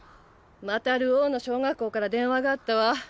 また流鶯の小学校から電話があったわ。